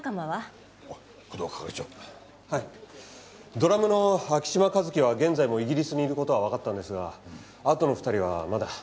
ドラムの昭島和樹は現在もイギリスにいる事はわかったんですがあとの２人はまだ。